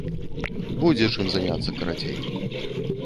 Будзе, чым заняцца, карацей.